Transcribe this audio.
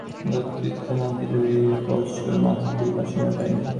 বক্তৃতা না দিলেও এ বৎসর মাথা তোলবার সময় পাইনি।